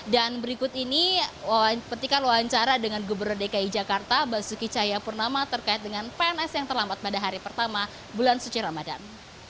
dan berikut ini petikan wawancara dengan gubernur dki jakarta basuki ceyapurnama terkait dengan pns yang terlambat pada hari pertama bulan suci ramadhan